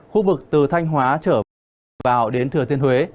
khu vực từ thanh hóa trở vào đến thừa thiên huế